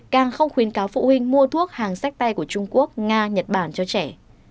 càng không khuyến cáo phụ huynh mua thuốc hàng sách tay của trung quốc nga nhật bản cho trẻ